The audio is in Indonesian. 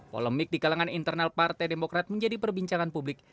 polemik di kalangan internal partai demokrat menjadi perbincangan publik